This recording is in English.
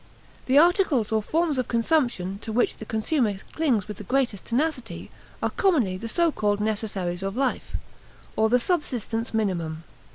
The articles or forms of consumption to which the consumer clings with the greatest tenacity are commonly the so called necessaries of life, or the subsistence minimum.